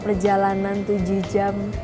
perjalanan tujuh jam